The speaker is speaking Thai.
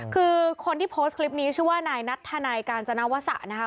คือคนที่โพสต์คลิปนี้ชื่อว่านายนัทธนัยกาญจนวสะนะคะ